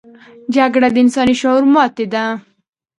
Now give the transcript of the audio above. جګړه د انساني شعور ماتې ده